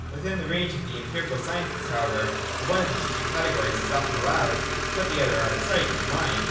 Within the range of the empirical sciences however, the one of these two categories is often allowed to put the other out of sight and mind.